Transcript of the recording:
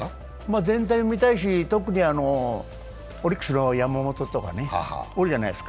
全体を見たいし、特にオリックスの山本とかおるじゃないですか。